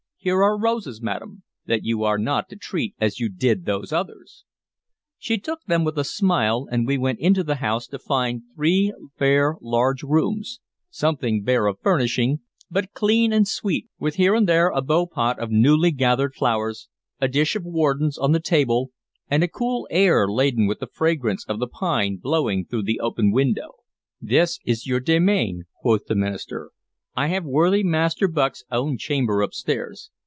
"Here are roses, madam, that you are not to treat as you did those others." She took them from him with a smile, and we went into the house to find three fair large rooms, something bare of furnishing, but clean and sweet, with here and there a bow pot of newly gathered flowers, a dish of wardens on the table, and a cool air laden with the fragrance of the pine blowing through the open window. "This is your demesne," quoth the minister. "I have worthy Master Bucke's own chamber upstairs.